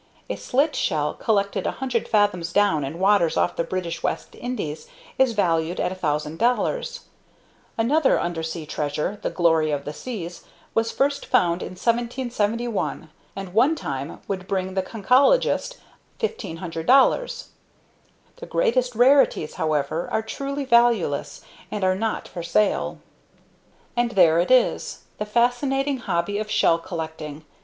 A Slit Shell collected 100 fathoms down in waters off the British West Indies is valued at $1000. Another undersea treasure, the Glory Of The Seas, was first found in 1771 and one time would bring the conchologist $1500. The greatest rarities, however, are truly valueless and are not for sale. .. .And there it is, the fascinating hobby of shell collecting.